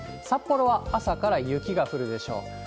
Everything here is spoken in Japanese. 札幌は朝から雪が降るでしょう。